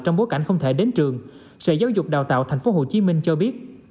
trong bối cảnh không thể đến trường sở giáo dục đào tạo tp hcm cho biết